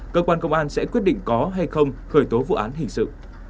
cơ quan công an sẽ quyết định có hay không khởi tố vụ án hình sự